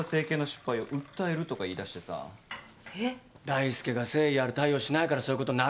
大介が誠意ある対応しないからそういうことになるんだろ。